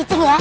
itu dulu ya